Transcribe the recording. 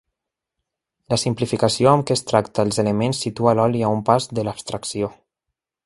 La simplificació amb què tracta els elements situa l'oli a un pas de l'abstracció.